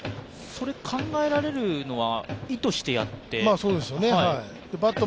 それ考えられるのは意図してやって？